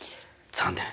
残念。